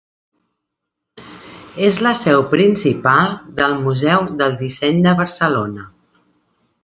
És la seu principal del Museu del Disseny de Barcelona.